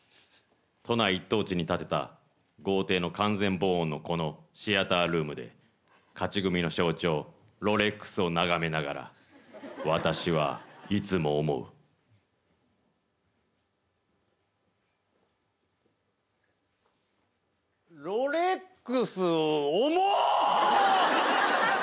都内一等地に建てた豪邸の完全防音のこのシアタールームで勝ち組の象徴ロレックスを眺めながらロレックス重っ！